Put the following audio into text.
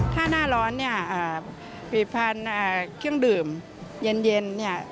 ถ้าหน้าร้อนเนี่ยผีพันเครื่องดื่มเย็น